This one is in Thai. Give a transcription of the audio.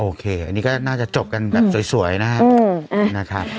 โอเคนี่ก็น่าจะจบกันแบบสวยนะฮะ